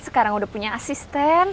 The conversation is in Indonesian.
sekarang udah punya asisten